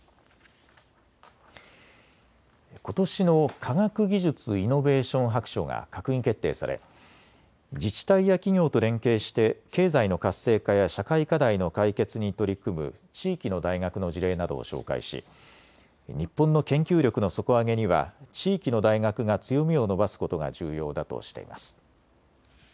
ことしの科学技術・イノベーション白書が閣議決定され自治体や企業と連携して経済の活性化や社会課題の解決に取り組む地域の大学の事例などを紹介し、日本の研究力の底上げには地域の大学が強みを伸ばすことが重要だとしています。